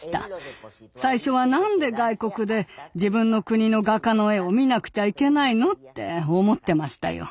最初は何で外国で自分の国の画家の絵を見なくちゃいけないのって思ってましたよ。